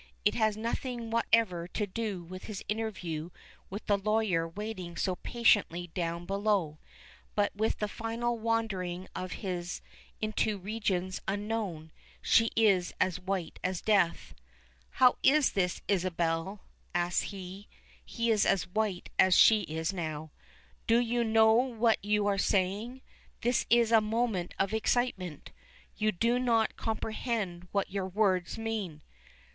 It has nothing whatever to do with his interview with the lawyer waiting so patiently down below, but with that final wandering of his into regions unknown. She is as white as death. "How is this, Isabel?" asks he. He is as white as she is now. "Do you know what you are saying? This is a moment of excitement; you do not comprehend what your words mean."